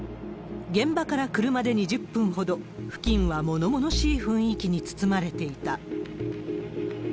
現場から車で２０分ほど、付近はものものしい雰囲気に包まれていた。